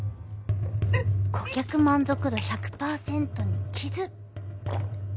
顧客満足度 １００％ に傷！